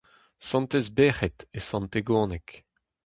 Santez Berc'hed e Sant-Tegoneg.